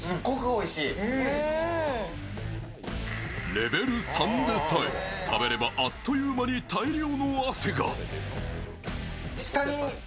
レベル３でさえ、食べればあっという間に大量の汗が。